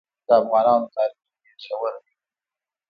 د افغانستان تاریخ ډېر ژور دی.